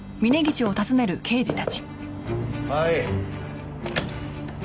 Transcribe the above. はい。